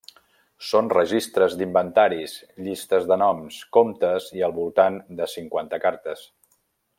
Són registres d'inventaris, llistes de noms, comptes i al voltant de cinquanta cartes.